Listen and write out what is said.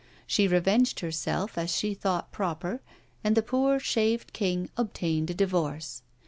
She revenged herself as she thought proper, and the poor shaved king obtained a divorce.